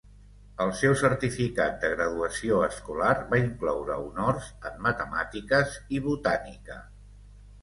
El seu certificat de graduació escolar va incloure honors en matemàtiques i botànica.